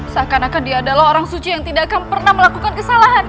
seakan akan dia adalah orang suci yang tidak akan pernah melakukan kesalahan